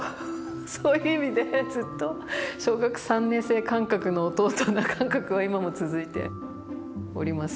そういう意味でずっと小学３年生感覚の弟な感覚が今も続いております。